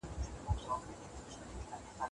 د لوړو معيارونو ټاکل هيڅکله ښې پايلي نه لري.